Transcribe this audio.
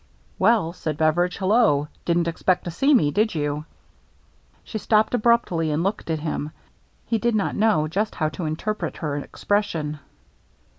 "Weil," said Beveridge, "hello! Didn't expect to see me, did you ?" She stopped abruptly and looked at him. He did not know just how to interpret her expression.